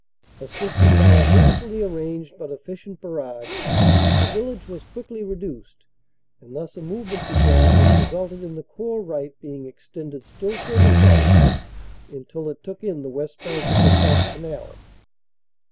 Assisted by a hastily arranged but effi cient barrage, the village was quickly reduced, and thus a movement began which resulted in the Corps right being extended still further south until it took in the west bank of the Scheldt Canal.